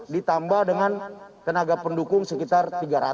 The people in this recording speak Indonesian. dua ratus ditambah dengan tenaga pendukung sekitar tiga ratus